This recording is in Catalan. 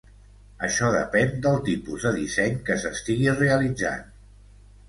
Això depèn del tipus de disseny que s'estigui realitzant.